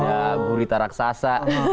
ada burita raksasa